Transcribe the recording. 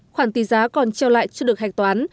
khoản tỷ giá còn treo lại chưa được hạch toán